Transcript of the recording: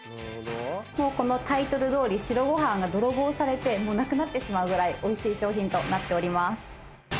もうこのタイトルどおり白ご飯が泥棒されてなくなってしまうぐらいおいしい商品となっております。